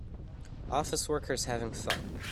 Office workers having fun.